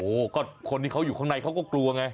โอ้โหก็คนที่เขาอยู่ข้างในเขาก็กลัวไง